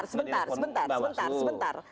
sebentar sebentar sebentar